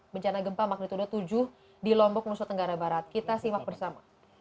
bencana gempa magnitudo tujuh di lombok nusa tenggara barat kita simak bersama